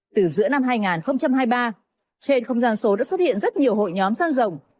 từ giữa năm hai nghìn hai mươi ba trên không gian số đã xuất hiện rất nhiều hội nhóm sang rồng